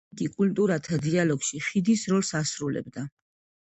იგი კულტურათა დიალოგში ხიდის როლს ასრულებდა.